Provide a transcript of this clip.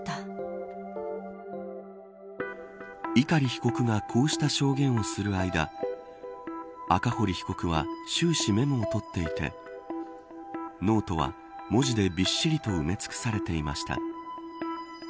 碇被告がこうした証言をする間赤堀被告は終始メモをとっていてノートは文字でびっしりと埋め尽くされていました。